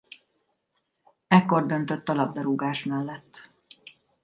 Ekkor döntött a labdarúgás mellett.